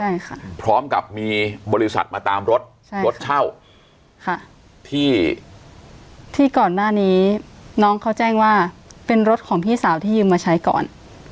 ใช่ค่ะพร้อมกับมีบริษัทมาตามรถใช่รถเช่าค่ะที่ที่ก่อนหน้านี้น้องเขาแจ้งว่าเป็นรถของพี่สาวที่ยืมมาใช้ก่อน